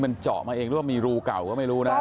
มันเจาะมาเองหรือว่ามีรูเก่าก็ไม่รู้นะ